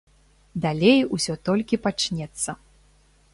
Далей усё толькі пачнецца.